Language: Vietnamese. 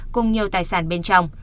cùng nhiều tài sản bên trong